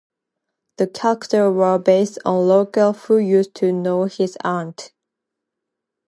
The characters were based on locals who used to know his aunt.